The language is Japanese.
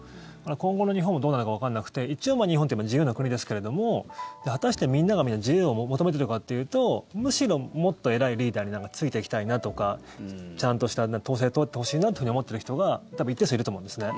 今後の日本もどうなるかわからなくて一応、日本って今自由な国ですけれども果たして、みんながみんな自由を求めてるかというとむしろ、もっと偉いリーダーについていきたいなとかちゃんとした統制を取ってほしいなと思ってる人が多分、一定数いると思うんですね。